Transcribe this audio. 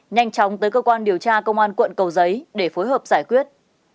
nhanh chóng tới cơ quan điều tra công an quận cầu giấy để phối hợp giải quyết